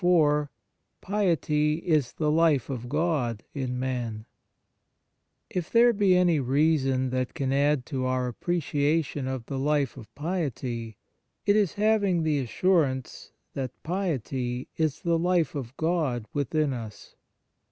IV PIETY IS THE LIFE OF GOD IN MAN IF there be any reason that can add to our appreciation of the life of piety, it is having the assurance that piety is the life of God within us.